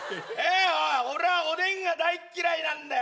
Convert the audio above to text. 俺はおでんが大っ嫌いなんだよ！